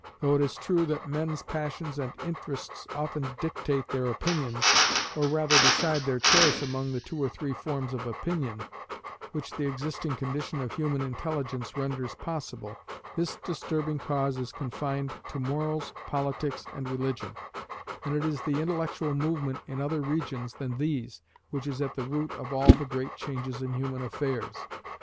Though it is true that men's passions and interests often dictate their opinions, or rather decide their choice among the two or three forms of opinion, which the existing condition of human intelligence renders possible, this disturbing cause is confined to morals, politics, and religion; and it is the intellectual movement in other regions than these, which is at the root of all the great changes in human affairs.